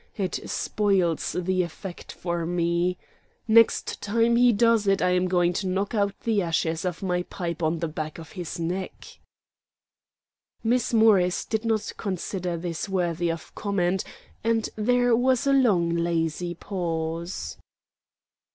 It spoils the effect for one. Next time he does it I am going to knock out the ashes of my pipe on the back of his neck." Miss Morris did not consider this worthy of comment, and there was a long lazy pause.